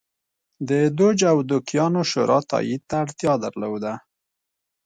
د دوج او دوکیانو شورا تایید ته اړتیا درلوده